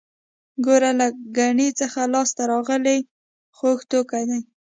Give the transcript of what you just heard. ګوړه له ګني څخه لاسته راغلی خوږ توکی دی